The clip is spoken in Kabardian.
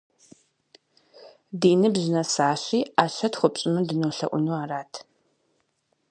Ди ныбжь нэсащи, ӏэщэ тхуэпщӏыну дынолъэӏуну арат.